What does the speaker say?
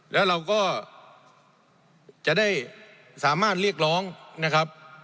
แล้วเราก็จะได้สามารถเรียกร้องนะครับ